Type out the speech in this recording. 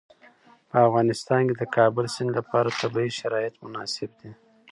په افغانستان کې د د کابل سیند لپاره طبیعي شرایط مناسب دي.